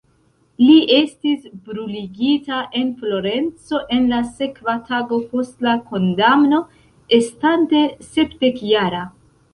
Li estis bruligita en Florenco en la sekva tago post la kondamno, estante sepdek-jara.